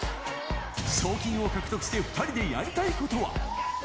賞金を獲得して２人でやりたいことは？